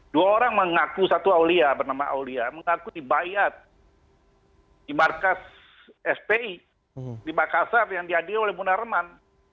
dua orang mengaku satu awliya bernama awliya mengaku di bayat di markas spi di makassar yang diadil oleh munarman